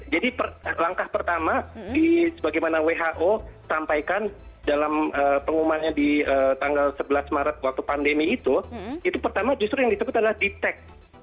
jadi langkah pertama bagaimana who sampaikan dalam pengumumannya di tanggal sebelas maret waktu pandemi itu itu pertama justru yang disebut adalah dtec